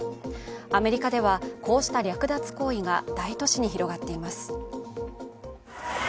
アメリカでは、こうした略奪行為が大都市に広がっています。